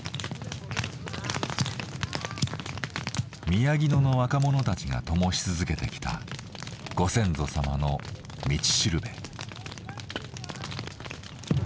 宮城野の若者たちが灯し続けてきたご先祖様の道しるべ。